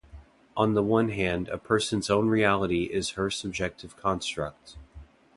On the one hand a person's own reality is her subjective construct.